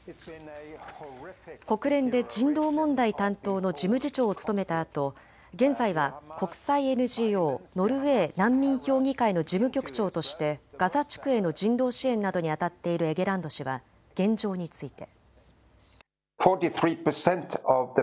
国連で人道問題担当の事務次長を務めたあと現在は国際ＮＧＯ・ノルウェー難民評議会の事務局長としてガザ地区への人道支援などにあたっているエゲランド氏は現状について。